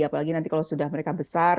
apalagi nanti kalau sudah mereka besar